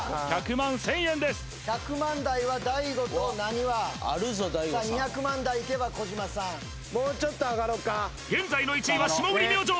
１００万１０００円です１００万台は大悟となにわさあ２００万台いけば児嶋さんもうちょっと上がろっか現在の１位は霜降り明星！